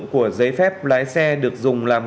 của giấy phép lái xe được dùng làm